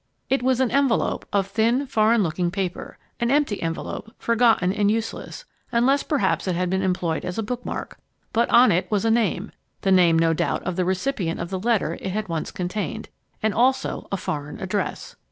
It was an envelop of thin, foreign looking paper an empty envelop, forgotten and useless, unless perhaps it had been employed as a bookmark. But on it was a name the name no doubt of the recipient of the letter it had once contained, and also a foreign address.